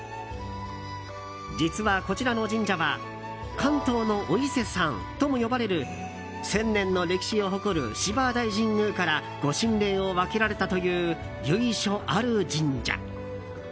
実はこちらの神社は関東のお伊勢さんとも呼ばれる千年の歴史を誇る芝大神宮から御心霊を分けられたという由緒ある神社。